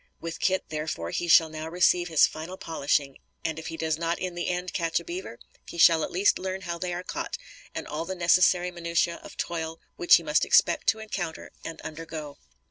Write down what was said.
With Kit therefore he shall now receive his final polishing, and if he does not in the end catch a beaver, he shall at least learn how they are caught, and all the necessary minutiæ of toil which he must expect to encounter and undergo.